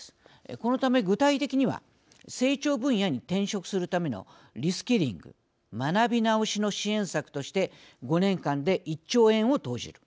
このため、具体的には成長分野に転職するためのリスキリング、学び直しの支援策として５年間で１兆円を投じる。